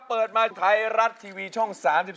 เปิดมาไทยรัฐทีวีช่อง๓๒